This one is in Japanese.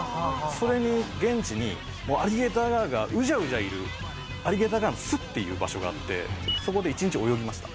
それに現地にもうアリゲーターガーがうじゃうじゃいるアリゲーターガーの巣っていう場所があってそこで一日泳ぎました。